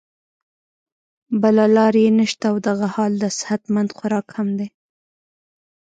بله لار ئې نشته او دغه حال د صحت مند خوراک هم دے